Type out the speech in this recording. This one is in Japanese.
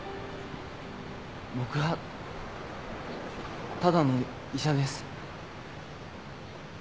僕はただの医者です。